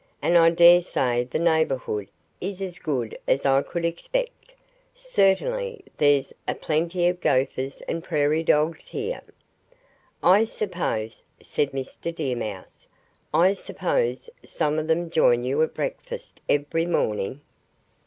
"And I dare say the neighborhood is as good as I could expect. Certainly there's a plenty of Gophers and Prairie Dogs here." "I suppose" said Mr. Deer Mouse "I suppose some of them join you at breakfast every morning."